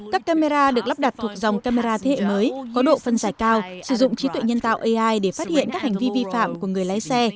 các camera được lắp đặt thuộc dòng camera thế hệ mới có độ phân giải cao sử dụng trí tuệ nhân tạo ai để phát hiện các hành vi vi phạm của người lái xe